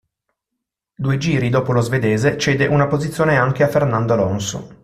Due giri dopo lo svedese cede una posizione anche a Fernando Alonso.